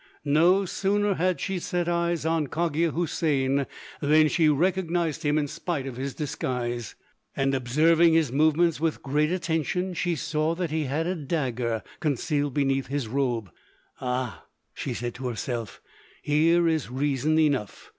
No sooner had she set eyes on Cogia Houssain than she recognized him in spite of his disguise; and observing his movements with great attention she saw that he had a dagger concealed beneath his robe. "Ah!" she said to herself, "here is reason enough!